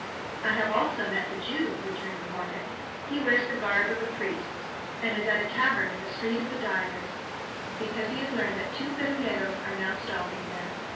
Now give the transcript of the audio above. "I have also met the Jew," returned the hornet; "he wears the garb of a priest, and is at a tavern in the Street of the Dyers, because he has learned that two Peruleros are now stopping there.